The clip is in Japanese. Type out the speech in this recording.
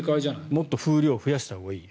もっと風量を増やしたほうがいい。